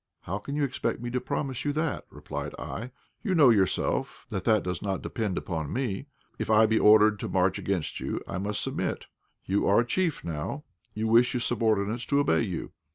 "How can you expect me to promise you that?" replied I. "You know yourself that that does not depend upon me. If I be ordered to march against you I must submit. You are a chief now you wish your subordinates to obey you.